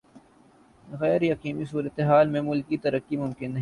غیر یقینی صورتحال میں ملکی ترقی ممکن نہیں۔